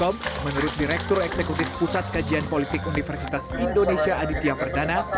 menurut direktur eksekutif pusat kajian politik universitas indonesia aditya perdana